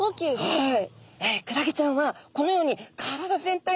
はい。